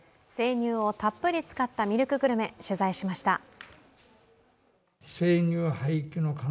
生乳をたっぷり使ったミルクグルメ、取材しました。